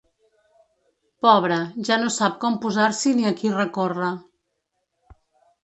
Pobra, ja no sap com posar-s'hi ni a qui recórrer.